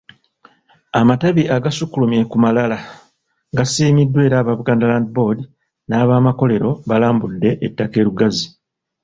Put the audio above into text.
Amatabi agasukkulumye ku malala gasiimiddwa era aba Buganda Land Board n'abaamakomera baalambudde ettaka e Lugazi.